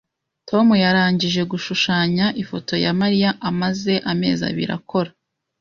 Tom yarangije gushushanya ifoto ya Mariya amaze amezi abiri akora